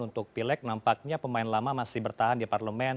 untuk pileg nampaknya pemain lama masih bertahan di parlomen